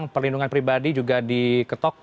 perlindungan pribadi juga diketok